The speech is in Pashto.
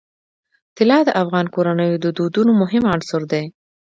طلا د افغان کورنیو د دودونو مهم عنصر دی.